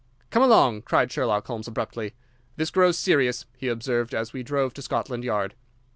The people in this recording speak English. "Come along!" cried Sherlock Holmes, abruptly. "This grows serious," he observed, as we drove to Scotland Yard.